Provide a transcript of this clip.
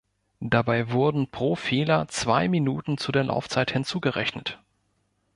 Dabei wurden pro Fehler zwei Minuten zu der Laufzeit hinzugerechnet.